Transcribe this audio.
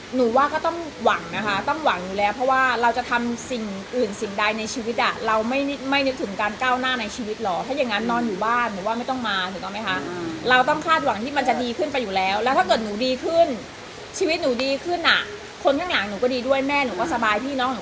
หนูว่าก็ต้องหวังนะคะต้องหวังอยู่แล้วเพราะว่าเราจะทำสิ่งอื่นสิ่งใดในชีวิตอ่ะเราไม่นึกถึงการก้าวหน้าในชีวิตหรอกถ้าอย่างนั้นนอนอยู่บ้านหนูว่าไม่ต้องมาถูกต้องไหมคะเราต้องคาดหวังที่มันจะดีขึ้นไปอยู่แล้วแล้วถ้าเกิดหนูดีขึ้นชีวิตหนูดีขึ้นอ่ะคนข้างหลังหนูก็ดีด้วยแม่หนูก็สบายพี่น้องหนู